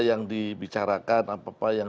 yang dibicarakan apa apa yang